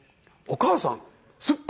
お母さん。